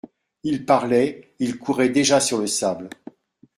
Il parlait, il courait déjà sur le sable.